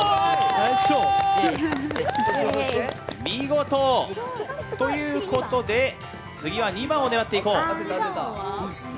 見事！ということで次は２番を狙っていこう。